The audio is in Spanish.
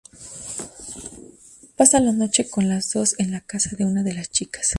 Pasan la noche con las dos en la casa de una de las chicas.